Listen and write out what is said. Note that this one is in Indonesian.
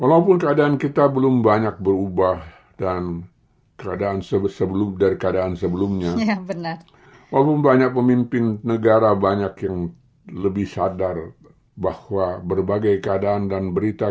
walaupun keadaan kita belum banyak berubah dari keadaan sebelumnya walaupun banyak pemimpin negara banyak yang lebih sadar bahwa berbagai keadaan dan berita